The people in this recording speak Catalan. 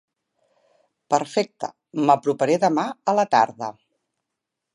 Perfecte, m'aproparé demà a la tarda.